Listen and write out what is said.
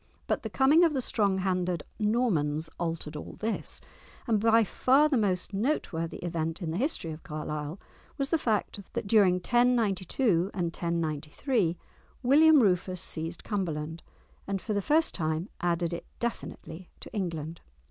But the coming of the strong handed Normans altered all this; and by far the most noteworthy event in the history of Carlisle was the fact that during 1092 and 1093 William Rufus seized Cumberland, and for the first time added it definitely to England.